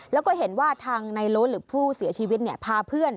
แล้วก็เห็นว่าทางในโล้นหรือผู้เสียชีวิตพาเพื่อน